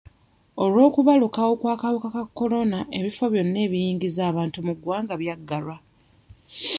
Olw'okubalukawo kw'akawuka ka kolona, ebifo byonna ebiyingiza abantu mu ggwanga byaggalwa.